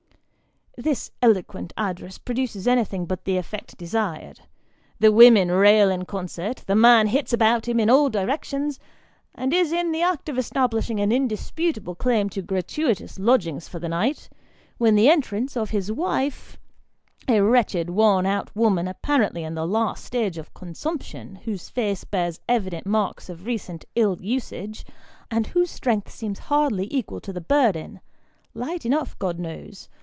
This eloquent address produces anything but the effect desired ; the women rail in concert ; the man hits about him in all directions, and is in the act of establishing an indisputable claim to gratuitous lodgings for the night, when the entrance of his wife, a wretched worn out woman, apparently in the last stage of consumption, whose face bears evident marks of recent ill usage, and whose strength seems hardly equal to the burden light enough, God knows